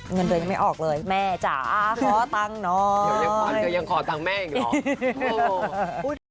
เงินเดือนยังไม่ออกเลยแม่จ๋าขอตังค์เนาะเดี๋ยวขวัญก็ยังขอตังค์แม่อีกหรอ